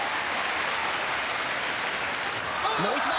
もう一度。